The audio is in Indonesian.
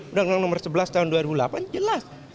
undang undang nomor sebelas tahun dua ribu delapan jelas